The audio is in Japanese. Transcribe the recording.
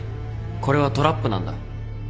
これはトラップなんだ。